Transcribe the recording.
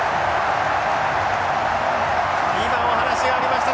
今お話がありました